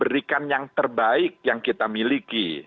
berikan yang terbaik yang kita miliki